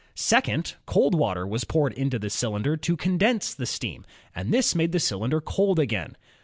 Second, cold water was poured into the cylinder to condense the steam, and this made the cylinder cold again.